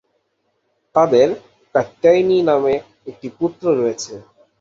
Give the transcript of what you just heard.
তাঁদের কাত্যায়নী নামে একটি পুত্র রয়েছে।